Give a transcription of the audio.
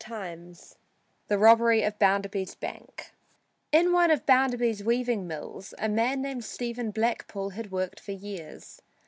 II THE ROBBERY OF BOUNDERBY'S BANK In one of Bounderby's weaving mills a man named Stephen Blackpool had worked for years.